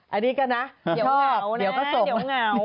อันนี้ก็นะเดี๋ยวเหงาเดี๋ยวก็ส่งเหงา